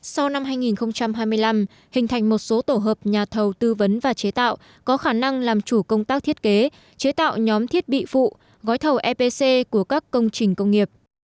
sau năm hai nghìn hai mươi năm hình thành một số tổ hợp nhà thầu tư vấn và chế tạo có khả năng làm chủ công tác thiết kế chế tạo nhóm thiết bị phụ gói thầu epc của các công trình công nghiệp